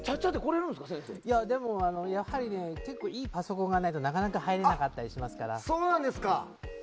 でもいいパソコンがないとなかなか入れなかったりしますから。